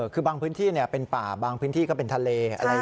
คือบางพื้นที่เป็นป่าบางพื้นที่ก็เป็นทะเล